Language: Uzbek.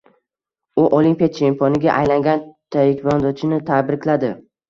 U olimpiya chempioniga aylangan taekvondochini tabrikladi.